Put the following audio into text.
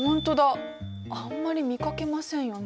あんまり見かけませんよね。